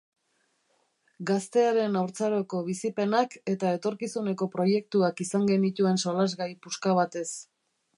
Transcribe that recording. Gaztearen haurtzaroko bizipenak eta etorkizuneko proiektuak izan genituen solasgai puska batez.